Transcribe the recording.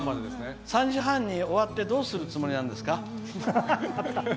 ３時半に終わってどうするつもりなんですか？